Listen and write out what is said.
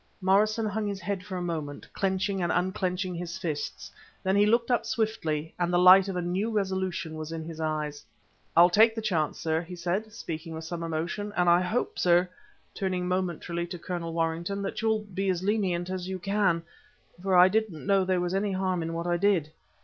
Morrison hung his head for a moment, clenching and unclenching his fists; then he looked up swiftly, and the light of a new resolution was in his eyes. "I'll take the chance, sir," he said, speaking with some emotion, "and I hope, sir" turning momentarily to Colonel Warrington "that you'll be as lenient as you can; for I didn't know there was any harm in what I did."